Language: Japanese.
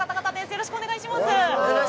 よろしくお願いします。